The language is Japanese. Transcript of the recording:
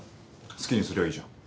好きにすりゃいいじゃん。